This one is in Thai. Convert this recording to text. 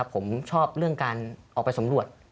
ผมชอบเรื่องการออกไปสำรวจ